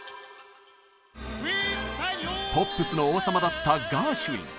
ポップスの王様だったガーシュウィン。